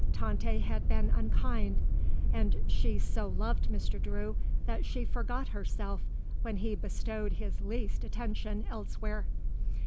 Tante had been unkind, and she so loved Mr. Drew that she forgot herself when he bestowed his least attention elsewhere.